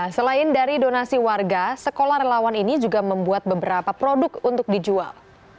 selain dari donasi warga sekolah relawan ini juga membuat beberapa produk untuk dijual